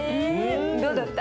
どうだった？